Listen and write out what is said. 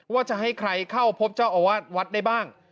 ว่าจะให้ใครเข้าพบเจ้าอาวาสวัดได้บ้าง